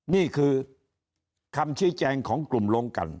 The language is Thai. นี่คือคำชี้แจงของกลุ่มลงกัน